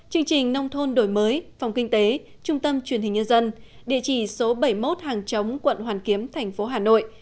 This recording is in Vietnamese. chương trình nông thôn đổi mới phòng kinh tế trung tâm truyền hình nhân dân địa chỉ số bảy mươi một hàng chống quận hoàn kiếm thành phố hà nội